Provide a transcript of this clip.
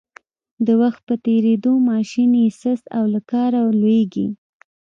د وخت په تېرېدو ماشین یې سست او له کاره لویږي.